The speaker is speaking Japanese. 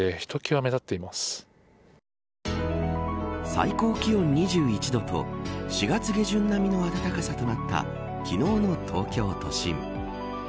最高気温２１度と４月下旬並みの暖かさとなった昨日の東京都心。